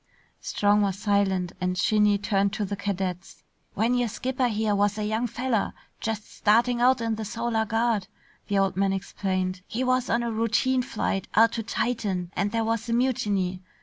Strong was silent and Shinny turned to the cadets. "When your skipper here was a young feller just starting out in the Solar Guard," the old man explained, "he was on a routine flight out to Titan and there was a mutiny.